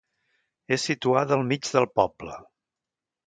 És situada al mig del poble.